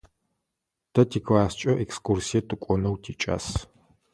Тэ тикласскӏэ экскурсие тыкӏонэу тикӏас.